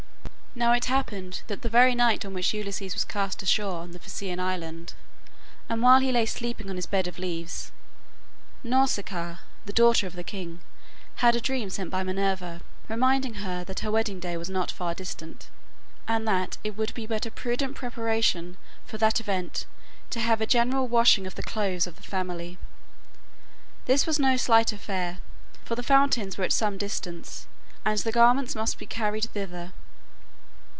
Now it happened that the very night on which Ulysses was cast ashore on the Phaeacian island, and while he lay sleeping on his bed of leaves, Nausicaa, the daughter of the king, had a dream sent by Minerva, reminding her that her wedding day was not far distant, and that it would be but a prudent preparation for that event to have a general washing of the clothes of the family. This was no slight affair, for the fountains were at some distance, and the garments must be carried thither.